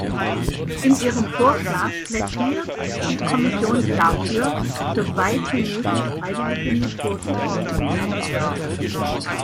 In ihrem Vorschlag plädiert die Kommission dafür, so weit wie möglich freiwillige Methoden anzuwenden.